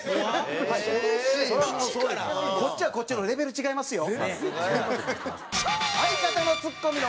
こっちはこっちのレベル違いますよ。